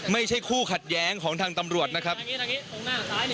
ไม่ใช่คู่ขัดแย้งของทางตำรวจนะครับตรงนี้ตรงนี้ตรงหน้าซ้ายนี่